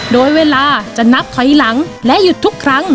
โดยเวลาจะนับถอยหลังและหยุดทุกครั้ง